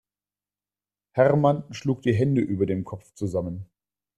Hermann schlug die Hände über dem Kopf zusammen.